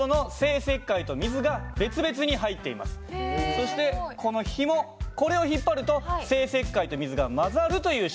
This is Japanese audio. そしてこのひもこれを引っ張ると生石灰と水が混ざるという仕組みなんですね。